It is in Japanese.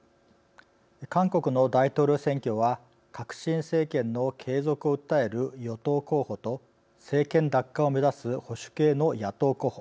韓国の大統領選挙は革新政権の継続を訴える与党候補と政権奪還を目指す保守系の野党候補。